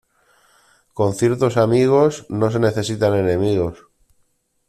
Con ciertos amigos, no se necesitan enemigos.